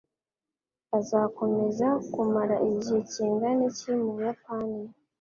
Azakomeza kumara igihe kingana iki mu Buyapani?